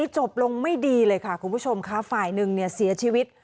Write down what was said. จบลงไม่ดีเลยค่ะคุณผู้ชมค่ะฝ่ายหนึ่งเนี่ยเสียชีวิต